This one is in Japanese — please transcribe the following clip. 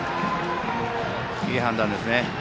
いい判断ですね。